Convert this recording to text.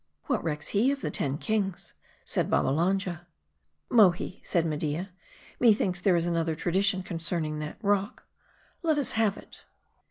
"What recks he of the ten kings," said Babbalanja. " Mohi," said Media, " methinks there is another tradition concerning that rock : let us have it."